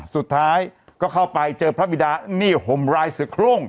สุดท้ายก็เข้าไปเจอพระบิดานี่โฮมไลซ์สุโคล่ง